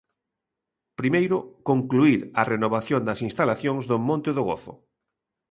Primeiro, concluír a renovación das instalacións do Monte do Gozo.